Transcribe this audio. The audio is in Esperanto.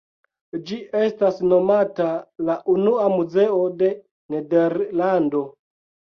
Ĝi estas nomata la unua muzeo de Nederlando.